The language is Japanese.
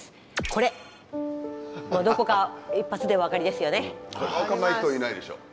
これ分かんない人いないでしょう。